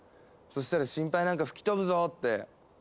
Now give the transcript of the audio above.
そしたら心配なんか吹き飛ぶぞって。